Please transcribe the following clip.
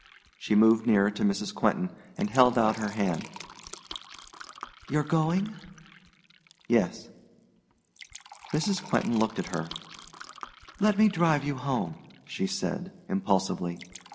She moved nearer to Mrs. Quentin and held out her hand. "You're going?" "Yes." Mrs. Quentin looked at her. "Let me drive you home," she said, impulsively.